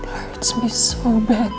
saya terlalu babi bernyanyi